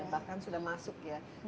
bahkan sudah masuk ya